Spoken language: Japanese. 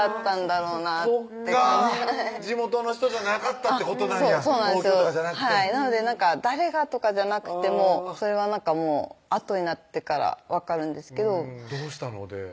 地元の人じゃなかったってことなんや東京とかじゃなくてなので誰がとかじゃなくてそれはもうあとになってから分かるんですけどどうしたの？